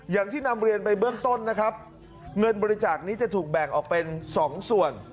อย่างที่นำเรียนไปเบื้องต้นนะครับเงินบริจาคนี้จะถูกแบ่งออกเป็น๒ส่วน